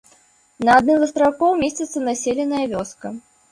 На адным з астраўкоў месціцца населеная вёска.